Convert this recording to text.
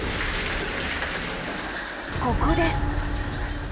ここで！